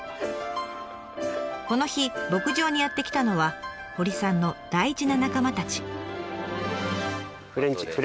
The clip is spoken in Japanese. この日牧場にやって来たのは堀さんの大事な仲間たち。